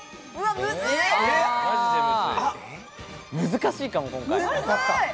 難しいかも、今回。